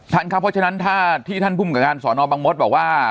ท่านครับเพราะฉะนั้นถ้าที่ท่านภูมิกับการสอนอบังมศบอกว่า